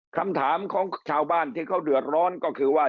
คำถามของชาวบ้านที่เขาเดือดร้อนก็คือว่า